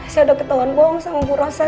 saya udah ketahuan bohong sama bu rosa